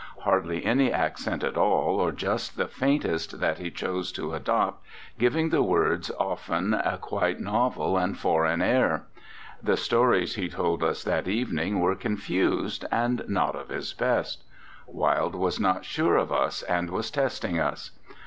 Hardly any accent at all, or just the faintest that he chose to adopt, giving the words often a quite novel and foreign air. ... The stories he told us that evening were con fused and not of his best. Wilde was not sure of us, and was testing us.